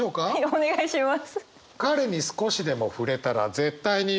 お願いします。